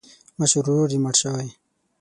مشر ورور یې مړ شوی.